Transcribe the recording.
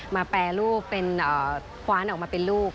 แปรรูปเป็นคว้านออกมาเป็นลูก